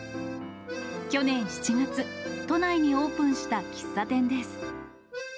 去年７月、都内にオープンした喫茶店です。